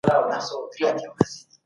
ادم د الهي احکامو د تطبیق مسؤلیت درلود.